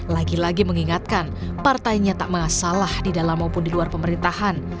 lagi lagi mengingatkan partainya tak masalah di dalam maupun di luar pemerintahan